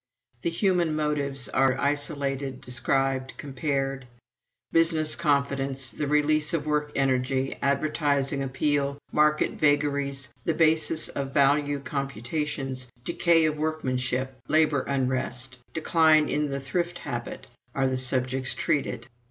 The human motives are isolated, described, compared. Business confidence, the release of work energy, advertising appeal, market vagaries, the basis of value computations, decay of workmanship, the labor unrest, decline in the thrift habit, are the subjects treated.